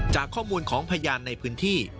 จากข้อมูลของพยานในพื้นที่